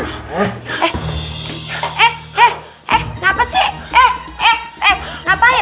eh eh eh eh ngapasih eh eh eh ngapain